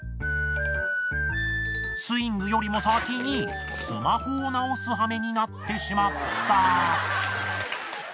スイングよりも先にスマホを直すはめになってしまった。